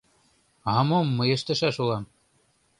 — А мом мый ыштышаш улам?